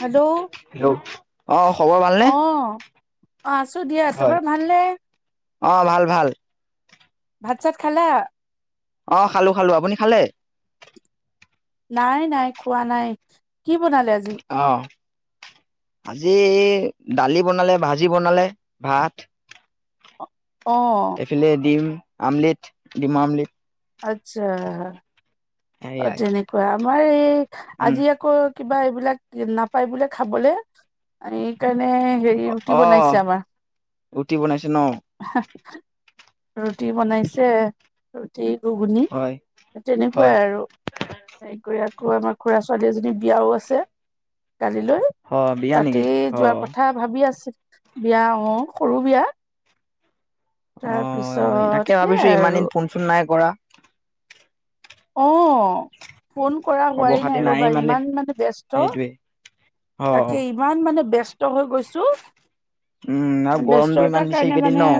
Hello অ hello, অ অ', খবৰ ভালনে? অ, ' আছো দিয়া, হয়। তোমাৰ ভালনে? অ' ভাল ভাল। ভাত চাত খালা? অ' খালো খালো, আপুনি খালে? নাই নাই খোৱা নাই, কি বনালে আজি? অ'। আজি দালি বনালে, ভাজি বনালে, ভাত। অঁ। এফালে দিম, আমলেট, দিম আমলেট। আচ্ছা, অ' সেয়াই তেনেকুৱা আমাৰ এই উম আজি আক - কিবা এইবিলাক নাপায় বোলে খাবলে, এইকাৰণে - হেৰি ৰুটি অ বনাইছে আমাৰ। ৰুটি বনাইছে ন ৰুটি বনাইছে - ৰুটি, ঘুগুনি হয় হয় তেনেকুৱাই আৰু। হেৰি কৰি আকৌ আমাৰ খুৰা ছোৱালী এজনী বিয়াও আছে কালিলৈ। অ বিয়া নেকি তাতেই অ যোৱা কথা ভাবি আছো, বিয়া অ' সৰু বিয়া। তাৰ অ' পিছত তাকে সেয়াই ভাবিছো ইমান আৰু দিন ফোন চোন নাই কৰা। অঁ'। ফোন কৰা খবৰ হোৱাই খাতি নাই ৰ'বা দিন ইমান মানে ব্যস্ত, সেইটোৱে অ তাকেই - ইমান মানে ব্যস্ত হৈ গৈছো, উম আৰু গৰমটো ইমান ব্যস্ততাৰ দিছে কাৰণে এইকেইদিন ন মানে -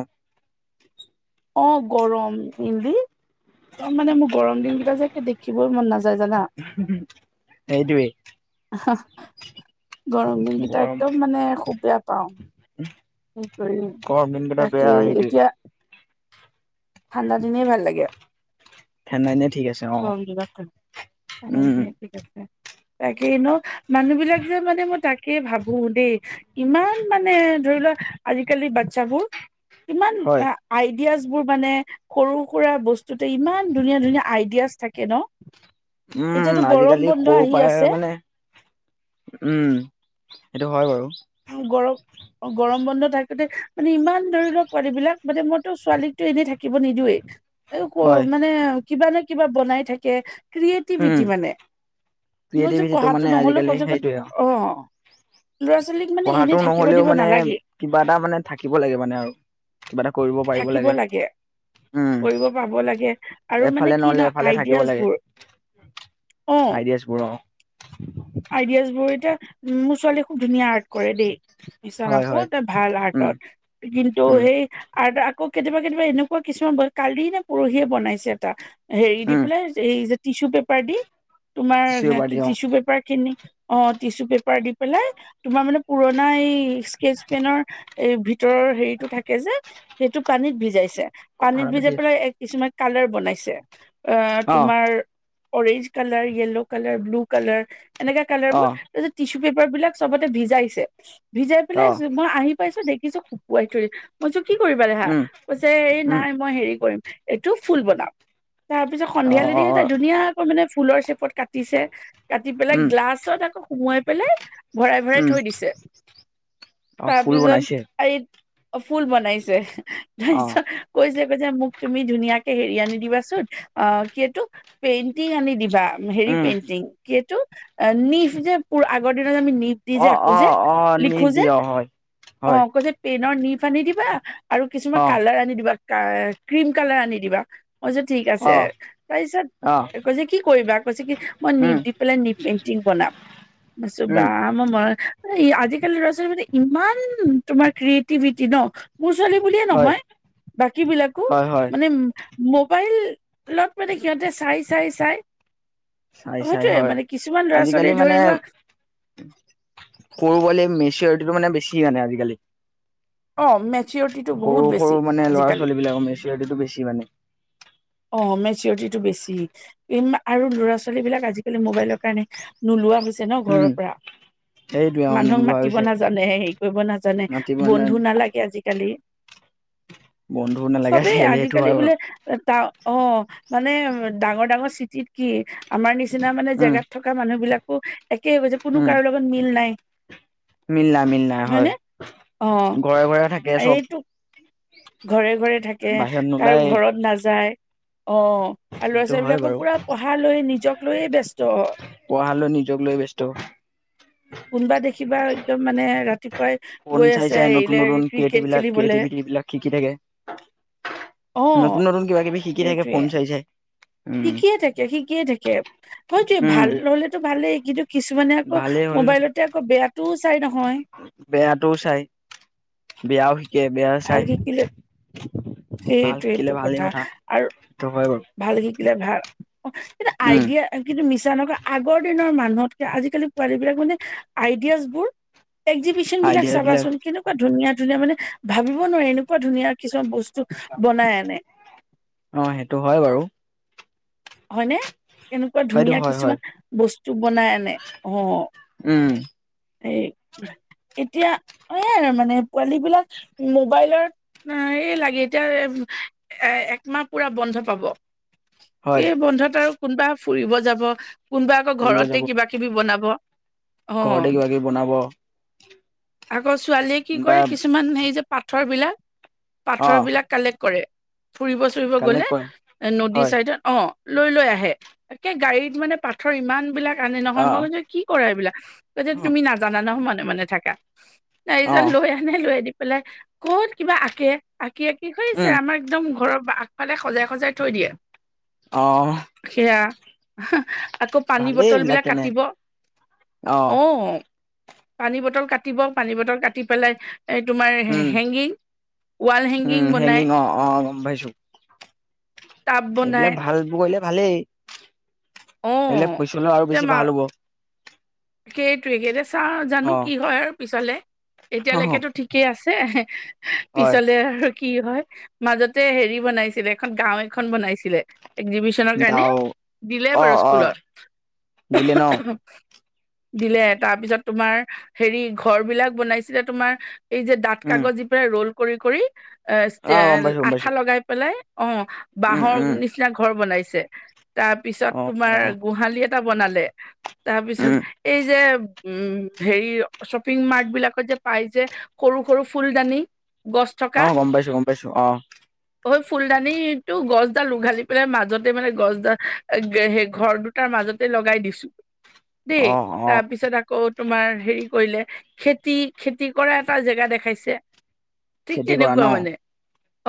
অ' গৰম ইলদি, মানে মোৰ গৰম দিন কেটা যে দেখিবই মন নাযায় জানা। সেইটোৱে। গৰম দিন কেইটা একদম মানে খুব বেয়া পাও। উম, গমৰ দিনকেইটা তাকে বেয়া সেইটোৱে। এতিয়া ঠাণ্ডা দিনেই ভাল লাগে। ঠাণ্ডা দিনেই ঠিক আছে। অ গৰম কিবাখন, ঠাণ্ডা উম, দিনেই ঠিক আছে। তাকেই ন, মানুহ বিলাক যে মানে মই তাকেই ভাবো দেই - ইমান মানে ধৰি লোৱা, আজিকালি বাচ্ছাবোৰ - ইমান হয়। আইডিয়াচ বোৰ মানে সৰু সুৰা বস্তুতে ইমান ধুনীয়া ধুনীয়া আই ডিয়াছ থাকে ন'? উম এতিয়াতো গৰম আজিকালি বন্ধ সৰু আহি পৰাই আছে মানে উম সেইটো হয় বাৰু গৰম গৰম বন্ধ থাকোতে মানে ইমান ধৰি লওক পোৱালী বিলাক মানে মইতো ছোৱালীকতো এনেই থাকিব নিদিয়েই। হয়। মানে কিবা নে কিবা বনাই থাকে উম, ক্ৰিয়েটিভিটি মানে। মই যে ক্ৰিয়েটিভিটিটো পঢ়াতটো মানে নহলেও প্ৰ আজিকালি সেইটোয়ে আৰু অ ল'ৰা ছোৱালী পঢ়াটো নহলেও মানে কিবা এটা মানে থাকিব লাগে মানে আৰু কিবা এটা কৰিব পাৰিব লাগে। উম, কৰিব পাব লাগে আৰু এফালে মানে কি নহ'লে ন এফালে থাকিব আইডিয়াজ লাগে বোৰ। অ, [unintelligible] জ বোৰ এতিয়া মোৰ ছোৱালী খুব ধুনীয়া আৰ্ট কৰে দেই মছা হয়, নকওঁ হয়। তাই ভাল উম, আৰ্টত কিন্তু উম, সেই আৰ্টত আৰু আকৌ কেতিয়াবা কেতিয়াবা এনেকুৱা কিছুমান কালি নে পৰহিয়ে বনাইছে এটা হেৰি উম, পেলাই। এই যে টিচু পেপাৰ দি তোমাৰ টিচু পেপাৰ কি দি অ', টিচু পেপাৰ খিনি অ টিচু পেপাৰ দি পেলাই তোমাৰ মানে পুৰণা এই ইস্কেছ পেনৰ এই ভিতৰৰ হেৰিতটো থাকে যে সেইটো পানীত ভিজাইছে। কথা পানীত এটা পাতি ভিজাই আছোঁ। পেলাই এক কিছুমান কালাৰ বনাইছে অ অ', তোমাৰ orange colour, yellow colour, blue colour, এনেকা কালাৰ বোৰ অ', তাৰপিছত টিছু পেপাৰ বিলাক ছবতে ভিজাইছে ভিজাই পেলাই অ', মই আহি পাইছো দেখিছো শুকুৱাই থৰি মই কৈছোঁ কি কৰিবা দেহা উম, কইছে এই উম, নাই মই হেৰি কৰিম এইটো ফুল বনাম। তাৰ পিছত অ', সন্ধিয়ালে দি অ', তাই অ', ধুনীয়াকৈ মানে ফুলৰ শেপত কাটিছে কাটি বিলাক উম, গ্লাছত আকৌ সোমোৱাই পেলাই ভৰাই ভৰাই উম, থৈ দিছে অ', তাৰ ফুল পিছত বনাইছে এই ফুল বনাইছে অ', তাৰপিছত কৈছে কৈছে মোক তুমি ধুনীয়াকে হেৰি আনি দিবাচোন অ কি এটো পেইণ্টিং আনি দিবা। হেৰি উম, পেইণ্টিং কি এটো নিভ যে প আগৰ দিনত আমি নিভ দি যে অ', আকো যে অ', অ', লিখো নিদি যে। অ', হয়, অ হয়। কৈছে পেইনৰ নিফ আনি দিবা আৰু কিছুমান অ কালাৰ আনি দিবা। ক্ৰীম কালাৰ আনি দিবা। মই কৈছোঁ ঠিক আছে অ তাৰপিছত অ কৈছে কি কৰিবা কৈছে কি মই নিভ উম দি পেলাই নিব পেইন্টিং বনাম মই কৈছো উম বাহ। মন আজিকালি ল'ৰা ছোৱালী ইমান তোমাৰ ক্ৰিয়েটিভিটি ন। মোৰ ছোৱালী বুলিয়ে হয় নহয় বাকী বিলাকো হয় হয় মানে উ মোবাইলত মানে সিহঁতে চাই চাই চাই চাই চাই সেইটোৱে হয় মানে কিছুমান ল'ৰা আজিকালি ছোৱালী মানে ধৰি লোৱা সৰু পোৱালি মেচিৰিটিটো মানে বেছি মানে আজিকালি। অ মেচিওত, সৰু সৰু মানে ল'ৰা ছোৱালী বিলাকৰ মেচিউৰিটিটো বেছি মানে। অ মেচিউৰিটিটো বেছি। ইম আৰু ল'ৰা ছোৱালী বিলাক আজিকালি মোবাইলৰ কাৰণে নোলোৱা হৈছে ন উম ঘৰৰ পৰা। সেইটোৱে অ মানুহক নোলোৱা মাতিব হৈছে নাজানে হেৰি কৰিব নাজানে বন্ধু নালাগে আজিকালি। বন্ধু নালাগে চবেই সেইটো আজিকালি হয় বাৰু বোলে তা অঁ মানে ডাঙৰ ডাঙৰ চিটি খিনিত, আমাৰ নিচিনা মানে উম জেগাত থকা মানুহ বিলাক একেই এযে কোনো উম কাৰো লগত মিল নাই। মিল নাই মিল নাই হয়নে হয়, অ ঘৰে ঘৰে থাকে চব এইটো ঘৰে ঘৰে থাকে, বাহিৰত কাৰো নোলাই ঘৰত নাযায়। অঁ আৰু ল'ৰা সেইটো ছোৱালী হয় বিলাক বাৰু পুৰা পঢ়াক লৈ, নিজক লৈয়ে ব্যস্ত। পঢ়াক লৈ নিজক লৈ ব্যস্ত। কোনোবা দেখিবা ই একদম মানে ৰাতি পুৱাই ফোন গৈ আছে হেৰিলে ক্ৰিকেট খেলিবলে। এই বিলাক শিকি থাকে। অ নতুন নতুন কিবা কিবি শিকি থাকে, সেইটোৱে ফোন চাই চাই। উম, শিকিয়ে থাকে, শিকিয়ে থাকে। হয় দেই উম, ভাল নহ'লেতো ভালেই, কিন্তু কিছুমানে আকৌ ভালেই হ'ল মোবাইলতে আকৌ বেয়াটোও চাই নহয়। বেয়াটোও চাই, বেয়াও শিক শিকে বেয়াও ভাল চাই, শিকিলে ভাল শিকিলে সেইটোৱেটো ভালেই কথা। আৰু সেইটো হয় বাৰু। ভাল শিকিলে ভাল। এটা উম, আইডিয়া কিন্তু মিছা নকওঁ, আগৰ দিনৰ মানুহতকে আজিকালি পোৱালী বিলাক মানে অইডিয়া বোৰ এক্সেবিচন বিলাক চাবাচোন কেনে এনেকুৱা ধুনীয়া ধুনীয়া মানে ভাবিব নোৱাৰি এনেকুৱা ধুনীয়া কিছুমান বস্তু বনাই আনে। অঁ সেইটো হয় বাৰু। হয়নে? কেনেকুৱা হয়টো ধুনীয়া হয়, হয় কিছুমান বস্তু বনাই আনে, অঁ। উম, এই এতিয়া অঁ মানে পোৱালী বিলাক মোবাইলৰ আ এই লাগে এতিয়া এ একমাহ পুৰা বন্ধ পাব। হয় এই বন্ধত আৰু কোনোবা ফুৰিব যাব, কোনোবা আকৌ ফুৰিব ঘৰতে যাব কিবা কিবি বনাব। অঁ, ঘৰতে কিবা কিবি বনাব আকৌ ছোৱালীয়ে কি বা কৰে কিছুমান সেই যে পাথৰ বিলাক, পাথৰ অ', বিলাক কালেক্ট কৰে। ফুৰিব চুৰিব গ'লে কালেক্ট কৰে এ নদী হয় চাইডত। অঁ লৈ লৈ আহে। একে গাড়ীত মানে পাথৰ ইমান বিলাক আনে নহয় অ', মই কি কৰা এই বিলাক, কৈছে তুমি নাজানা নহয় মনে মনে থাকা। তাৰপিছত অ', লৈ আহি লৈ আনি পেলাই ক'ত কিবা আঁকে। আঁকি আঁকি সেই যে উম, আমাৰ একদম ঘৰৰ ফালে সজাই সজাই থৈ দিয়ে। অঁ সেয়া, হুহ আকৌ পানী ভালেই বটল এইবিলাক বিলাক তেনে কাটিব, অ', অঁ। পানী বটল কাটিব, পানী বটল কাটি পেলাই এ তোমাৰ um, hanging, wall um, hanging বনাই। অ', অ', গম পাইছো টাব বনাই এইবিলাক ভালবোৰ কৰিলে ভালেই, অ এইবিলাক পিছলৈ আৰু বেছি ভাল হ'ব। সেইটোৱেই, ইয়াতে চাও আৰু জানো অ', কি হয় আৰু পিছলে, এতিয়ালৈকে তো ঠিক কেই আছে [unintelligible] হয় পিছাল আৰু কি হয়। মাজতে হেৰি বনাইছিলে এখন গাও এখন বনাইছিলে এক্সিবি গাওঁ অঁ অঁ দিলে ন'? দিলে তাৰপিছত তোমাৰ হেৰি ঘৰ বিলাক বনাইছিলে তোমাৰ এই যে দাঠ উম কাগজ দি পেলাই ৰ'ল কৰি কৰি অ গম এঁ পাইছো গম আঠা পাইছো লগাই পেলাই অঁ উম বাহৰ উম নিচিনা ঘৰ বনাইছে, তাৰপিছত অ অ তোমাৰ গোহালি এটা বনালে, তাৰপিছত উম এই যে উম, হেৰি শ্বপিং মাৰ্ত বিলাকত যে পাই যে সৰু ফুলদানি গছ। অ' গম পাইছো, গম পাইছো অ'। হয় ফুলদানিটো গছডাল উঘালি পেলাই মাজতে মানে গছডাল সেই ঘৰ দুটাৰ মাজতে লগাই দিছো দেই অ অ তাৰপিছত আকৌ আকৌ তোমাৰ হেৰি কৰিলে খেতি খেতি কৰা এটা জেগা দেখাইছে। ঠিক খেতি কৰা ন তেনেকুৱা মানে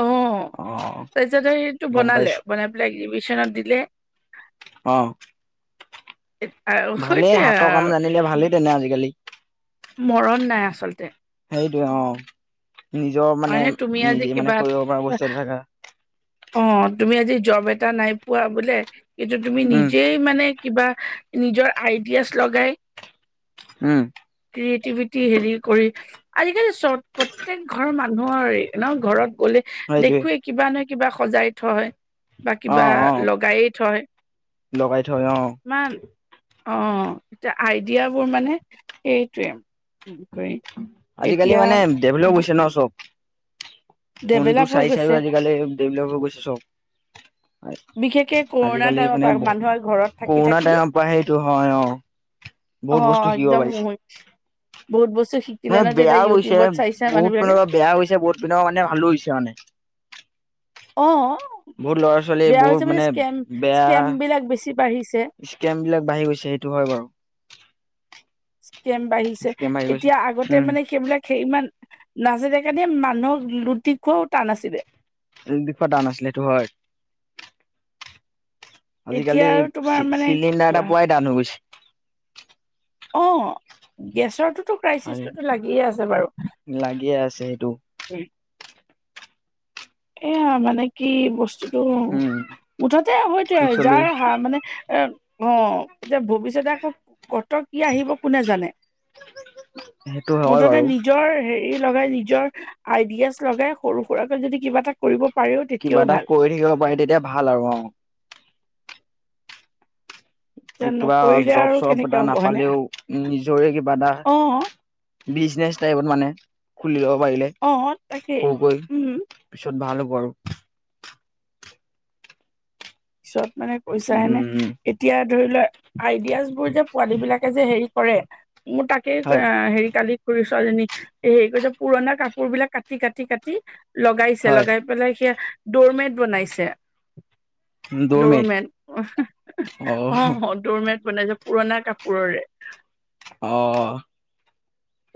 অ' অ তাৰপিছত সেইটো গম বনালে পাইছো বনাই লেগৰিবিচেনত দিলে। অহ। [unintelligible] ভালে হাতৰ কাম আৰু জানিলে ভালেই তেনে আজিকালি। মৰণ নাই আচলতে। সেইটোৱে অ' নিজৰ মানে হয়নে তুমি আজি নিজেই কিবা মানে কৰিব পৰা বস্তু এটা থাকা। অ' তুমি আজি জব এটা নাই পোৱা বোলে কিন্তু তুমি উম নিজেই মানে কিবা নিজৰ আইডিয়াছ লগাই উম'। ক্ৰিয়েটিভিটি হেৰি কৰি আজিকালি চব প্ৰত্যেক ঘৰৰ মানুহৰেই। ন ঘৰত গ'লে সেইটোৱে দেখোৱেই কিবা নহয় কিবা সজাই থয়। বা অ কিবা অ লগায়েই থয় লগাই থয় অ ইমান। অ' এতিয়া আইডিয়াবোৰ মানে সেইটোৱেই। আজিকালি মানে ডেভেলপ হৈছে ন' চব। ফোনটো ডেভেলপ হৈ চাই গৈছে চাইও আজিকালি ডেভেলপ হৈ গৈছে চব। বিশেষকে কৰোণা আজিকালি টাইমৰ মানে পৰা মানুহৰ ঘৰত থাকি কৰোণা থাকি টাইমৰ পৰা সেইটো হয় অ'। অ বহুত বস্তু শিকিব একদম পাইছে। বহুত বস্তু শি মানে বেয়াও হৈছে। বহুত পিনৰ পৰা বেয়াও হৈছে। বহুত পিনৰ পৰা মানে ভালো হৈছে মানে। অ বহুত লৰা-ছোৱালী বেয়া হৈছে বহুত মানে স্কেম বেয়া স্কেম বিলাক বেছি বাঢ়িছে। স্কেম বিলাক বাঢ়ি গৈছে সেইটো হয় বাৰু। স্কেম বাঢ়িছে স্কেম বাঢ়ি গৈছে এতিয়া আগতে উম মানে সেইবিলাক সেই ইমান নাছিলে কাৰণে মানুহ লুটি খুৱোৱাও নাছিলে। [unintelligible] খোৱা টান আছিলে সেইটো হয়। এতিয়া আজিকালি আৰু তোমাৰ চি মানে চিলিণ্ডাৰ এটা পোৱাই টান হৈ গৈছে। অ' গেছৰটোতো ক্ৰাইচিচটোতো লাগিয়ে আছে বাৰু। লাগিয়ে আছে সেইটো। এয়া মানে কি বস্তুটো। উম মুঠতে হয়তোৱে পিছলৈ যাৰ হা মানে এ অ' এতিয়া ভৱিষ্যতে আকৌ ক'ত কি আহিব কোনে জানে, সেইটো হয় মুঠতে বাৰু। নিজৰ হেৰি হেৰি লগাই নিজৰ আইডিয়াছ লগাই সৰু সুৰাৰাকৈ যদি কিবা এটা কৰিব পাৰেও তেতিয়াও কিবা এটা ভাল কৰি থাকিব পাৰি তেতিয়া ভাল আৰু অ'। এতিয়া কিবা নকৰিলে জব আৰু চব কেনেকে এটা হ'ব হয়নে নাপালেও নিজৰে কিবা এটা অ বিজনেচ টাইপত মানে খুলি ল'ব পাৰিলে অ', তাকেই সৰুকৈ উম, পিছত ভাল হ'ব আৰু। পিছত মানে কৈছা এনে উম এতিয়া ধৰি লোৱা আইডিয়াজ বোৰ যে পোৱালী বিলাকে যে হেৰি কৰে মোৰ তাক একেই হয় হেৰি কালি সৰু ছোৱালী জনী হেৰি কৰিছে পুৰণা কাপোৰ বিলাক কাটি কাটি কাটি লগাইছে হয় লগাই পেলাই সে দ'ৰমেট বনাইছে দৌৰমেট দ'ৰমেট অ' দ'ৰমেট বনাইছে পুৰণা কাপোৰৰে অ'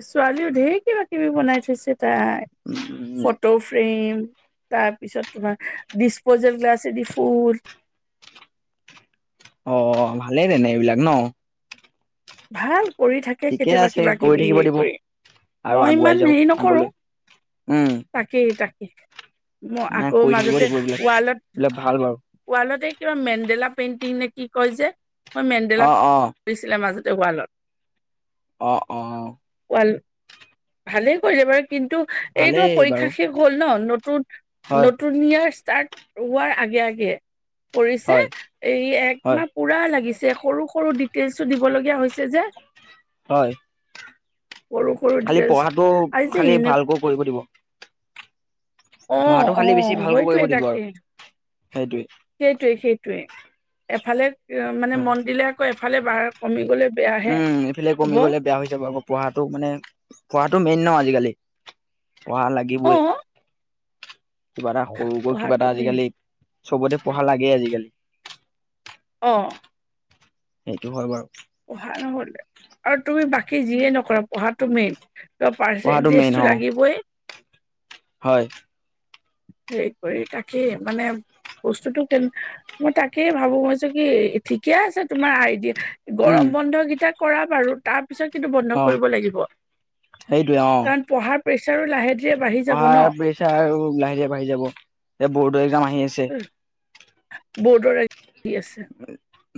ছোৱালীও ঢেৰ কিবা কিবি বনাই থৈছে তাই উম ফটো ফ্ৰেম তাৰপিছত তোমাৰ ডিচপ'জেল গ্লাছেদি ফুল। অ' ভালেই তেনে এইবিলাক ন ভাল কৰি থাকে ঠিকে কেতিয়াবা আছে কিবা কৰি কিবি থাকিব হেৰি দিব কৰি আৰু মই আগুৱাই ইমান যাওক হেৰি নকৰোঁ। আগলৈ উম। তাকেই তাকেই মই নাই আকৌ কৰি থাকিব মাজতে দিব এইবিলাক ৱালত এইবিলাক ভাল বাৰু ৱালত এই কিবা মেণ্ন্দেলা পেইণ্টিং নে কি কয় যে মই মেণ্ন্দেলা অ অ কৰিছিলে মাজতে। দেৱালত। অ' অ'। ওৱাল ভালেই কৰিলে বাট কিন্তু এই ভালেই তোমাৰ বাৰু পৰীক্ষা শেষ হ'ল নতুন হয় নতুন। টু ইয়েৰ ষ্টাৰট হোৱা আগে আগে কৰি হয় হয় একমাহ পুৰা লাগিছে সৰু সৰু ডিটেইলছো দিব লগগীয়া হৈছে যে। হয়। সৰু সৰু খালি ডিটেইলছ পঢ়াটো আজি যে খালি এনে ভালকৈ কৰিব দিব। অ পঢ়াটো অ খালি বেছি ভালকৈ সেইটোৱে কৰিব দিব তাকে আৰু সেইটোৱে। সেইটোৱে সেইটোৱে এফালে মানে মন দিলে আকৌ এফালে বাৰ কমি গ'লে। বেয়াহে উম এইফালে হ'ব কমি গ'লে বেয়া হৈ যাব আকৌ পঢ়াটো মানে পঢ়াটো মেইন ন আজিকালি। পঢ়া অ লাগিবই। কিবা এটা সৰুকৈ কিবা পঢ়াটো এটা মেইন আজিকালি চবতে পঢ়া লাগে আজিকালি। অ'। সেইটো হয় বাৰু। পঢ়া নহ'লে আৰু তুমি বাকী যিয়ে নকৰা পঢ়াটো মেইন। তোমাৰ পঢ়াটো মেইন পাৰ্চেণ্টেজটো অ লাগিবই। হয়। হেৰি কৰি তাকে মানে বস্তুতটো কে মই তাকেই ভাবো মইছো কি ঠিকে আছে তোমাৰ আইডিয়া। উম গৰম বন্ধ কেইটা কৰা বাৰু তাত। পিছত কিন্তু বন্ধ অ কৰিব লাগিব সেইটোৱে অ কাৰণ পঢ়াৰ প্ৰেচাৰো লাহে। ধীৰে বাঢ়ি যাব ন পঢ়াৰ প্ৰেচাৰ লাহে লাহে বাঢ়ি যাব এ বৰ্ডৰ একজাম আহি আছে। বৰ্ডৰ এক দি আছে।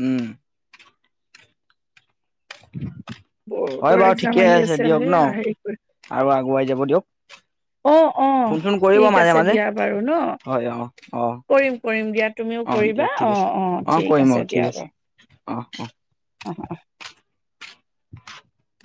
উম। [inaudible] হয় বৰ্ডৰ বাৰু একজাম ঠিকে আহি আছে দিয়ক সেই ন হেৰি কৰি। আৰু আগুৱাই যাব দিয়ক অ' অ' ফোন চোন কৰিব ঠিক মাজে আছে মাজে দিয়া বাৰু ন হয় অ অ কৰিম কৰিম দিয়া। তুমিও অ কৰিবা দিয়ক ঠিক আছে অ' অ' ঠিক কৰিম অ আছে দিয়া বাৰু। অ' অ'। অ' অ'। [inaudible]